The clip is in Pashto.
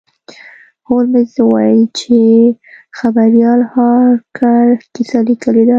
هولمز وویل چې خبریال هارکر کیسه لیکلې ده.